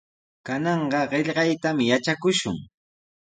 Kananqa qillqaytami yatrakushun.